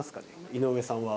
井上さんは。